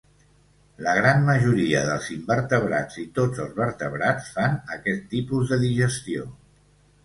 La gran majoria dels invertebrats i tots els vertebrats fan aquest tipus de digestió.